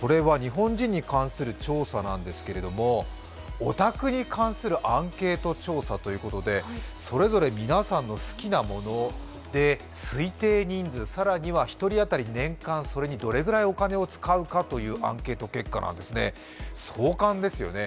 これは日本人に関する調査なんですけれども、オタクに関するアンケート調査とょで、それぞれ皆さんの好きなもので推定人数、更には１人当たり年間それにどれぐらいお金を使うかというアンケート結果なんですよね。